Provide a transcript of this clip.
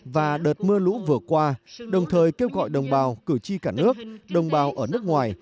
và đợt mưa lũ vừa qua đồng thời kêu gọi đồng bào cử tri cả nước đồng bào ở nước ngoài